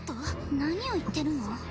何を言ってるの？